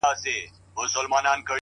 ژړا، سلگۍ زما د ژوند د تسلسل نښه ده،